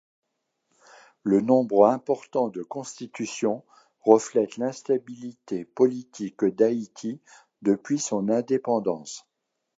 Le nombre important de constitutions reflète l'instabilité politique d'Haïti depuis son indépendance.